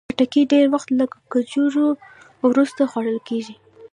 خټکی ډېر وخت له کجورو وروسته خوړل کېږي.